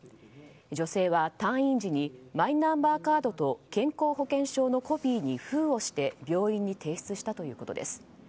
女性は退院時にマイナンバーカードと健康保険証のコピーに封をして病院に提出したということです。